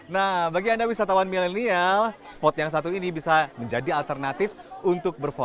nah bagi anda wisatawan milenial spot yang satu ini bisa menjadi alternatif untuk berfoto